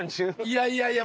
いやいやいや。